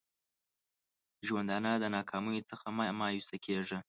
د ژوندانه د ناکامیو څخه مه مایوسه کېږه!